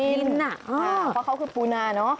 เพราะเค้าคือปูนาเนอะ